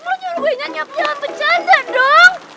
lo nyuruh gue nyanyi apa jangan bercanda dong